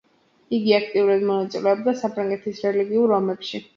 იგი აქტიურად მონაწილეობდა საფრანგეთის რელიგიურ ომებში.